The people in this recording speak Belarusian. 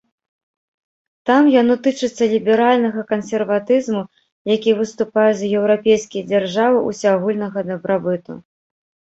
Там яно тычыцца ліберальнага кансерватызму, які выступае за еўрапейскія дзяржавы ўсеагульнага дабрабыту.